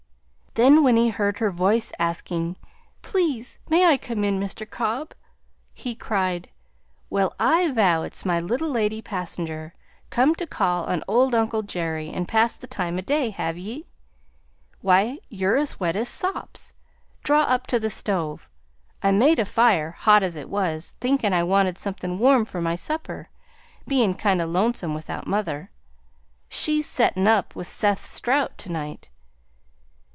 Then when he heard her voice asking, "Please may I come in, Mr. Cobb?" he cried, "Well I vow! It's my little lady passenger! Come to call on old uncle Jerry and pass the time o' day, hev ye? Why, you're wet as sops. Draw up to the stove. I made a fire, hot as it was, thinkin' I wanted somethin' warm for my supper, bein' kind o' lonesome without mother. She's settin' up with Seth Strout to night.